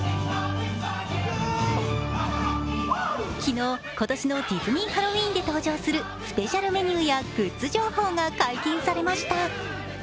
昨日、今年のディズニー・ハロウィーンで登場するスペシャルメニューやグッズ情報が解禁されました。